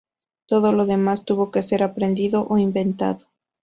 Todo lo demás tuvo que ser aprendido o inventado.